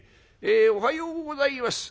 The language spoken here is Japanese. えおはようございます。